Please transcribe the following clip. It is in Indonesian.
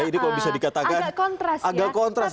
ini kalau bisa dikatakan agak kontras